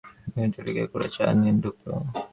মধ্যবয়স্ক এক লোক এক বিশাল কেন্টলিতে করে চা নিয়ে ঢুকল!